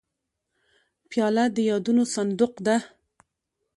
پیاله د یادونو صندوق ده.